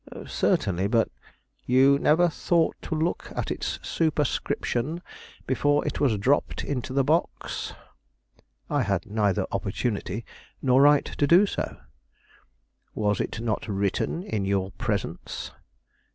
"Certainly, but " "You never thought to look at its superscription before it was dropped into the box." "I had neither opportunity nor right to do so." "Was it not written in your presence?"